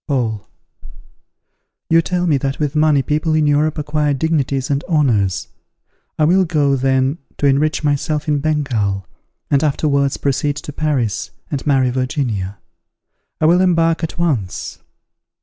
Paul. You tell me that with money people in Europe acquire dignities and honours. I will go, then, to enrich myself in Bengal, and afterwards proceed to Paris, and marry Virginia. I will embark at once.